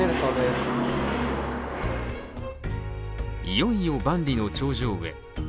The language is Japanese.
いよいよ万里の長城へ。